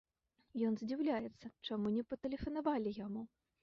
Ён здзіўляецца, чаму не патэлефанавалі яму?